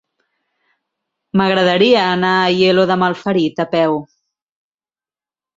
M'agradaria anar a Aielo de Malferit a peu.